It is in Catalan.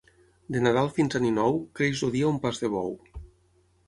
De Nadal fins a Ninou, creix el dia un pas de bou.